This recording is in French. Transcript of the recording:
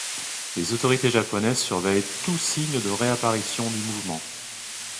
Les autorités japonaises surveillent tout signe de réapparition du mouvement.